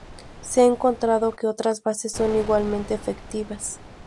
Se ha encontrado que otras bases son igualmente efectivas.